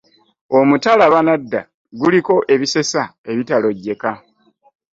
Omutala Banadda guliko ebisesa ebitalojjeka!